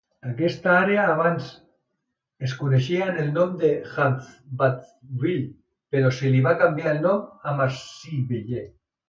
Aquesta àrea abans es coneixia amb el nom de Hubbardsville, però se li va canviar el nom a Maysville.